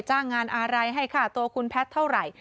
จ้างงานอะไรให้ค่าตัวคุณแพทย์เท่าไหร่